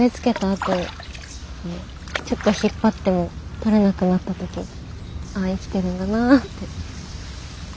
あとちょっと引っ張っても取れなくなった時あ生きてるんだなって。